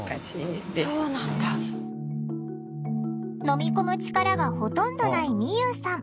飲み込む力がほとんどないみゆうさん。